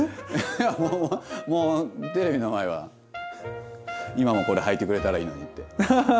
いやもうテレビの前は今もこれはいてくれたらいいのにって。ハハハ。